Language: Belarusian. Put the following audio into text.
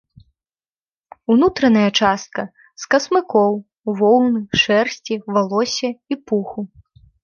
Унутраная частка з касмыкоў воўны, шэрсці, валосся і пуху.